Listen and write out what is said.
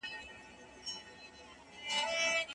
هیڅ سياسي شخړه د زور له لارې تلپاتې حل ته نه رسېږي.